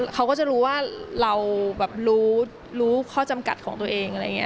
เขาก็จะรู้ว่าเรารู้ข้อจำกัดของตัวเองอะไรอย่างนี้